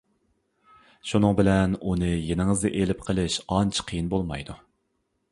شۇنىڭ بىلەن ئۇنى يېنىڭىزدا ئېلىپ قېلىش ئانچە قىيىن بولمايدۇ.